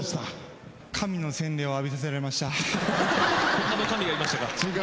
ほんとの神がいましたか。